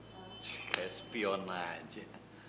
kayak spion aja